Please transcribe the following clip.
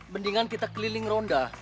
mendingan kita keliling ronda